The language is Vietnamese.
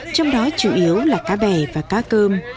trong đó chủ yếu là cá bè và cá cơm